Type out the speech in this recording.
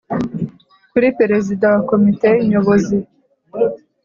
kuri Perezida wa Komite Nyobozi